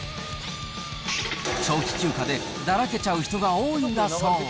長期休暇でだらけちゃう人が多いんだそう。